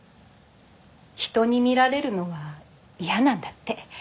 人に見られるのは嫌なんだって。